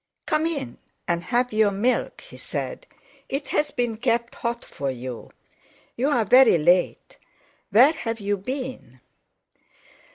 "Come in and have your milk," he said. "It's been kept hot for you. You're very late. Where have you been?"